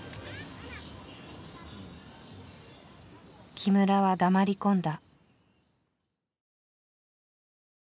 木村は黙り込んだ。